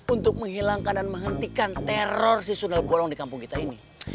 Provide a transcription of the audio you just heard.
untuk menghilangkan dan menghentikan teror susunan bolong di kampung kita ini